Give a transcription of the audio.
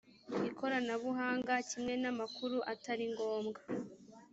ikoranabuhanga kimwe n amakuru atari ngombwa